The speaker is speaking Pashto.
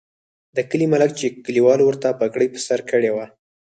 د کلي ملک چې کلیوالو ورته پګړۍ په سر کړې وه.